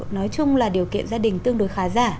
nói chung là điều kiện gia đình tương đối khá giả